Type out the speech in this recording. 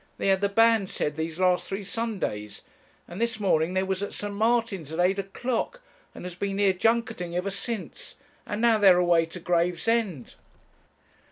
They had the banns said these last three Sundays; and this morning they was at St. Martin's at eight o'clock, and has been here junketing ever since, and now they're away to Gravesend.'